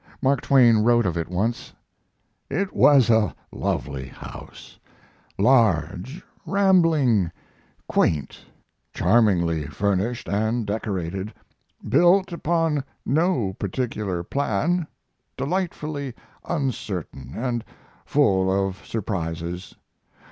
Mark Twain wrote of it once: It was a lovely house; large, rambling, quaint, charmingly furnished and decorated, built upon no particular plan, delightfully uncertain and full of surprises.